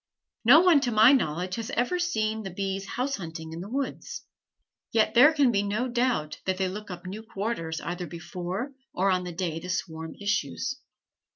No one, to my knowledge, has ever seen the bees house hunting in the woods. Yet there can be no doubt that they look up new quarters either before or on the day the swarm issues.